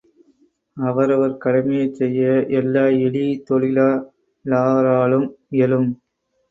அவரவர் கடமையைச் செய்ய எல்லா இழிதொழிலாளாராலும் இயலும்.